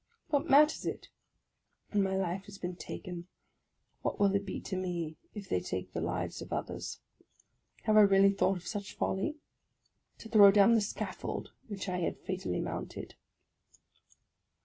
What matters it? When my life has been taken, what will it be to me if they take the lives of others? Have I really thought of such folly ?— to throw down the scaffold which I had fatally mounted!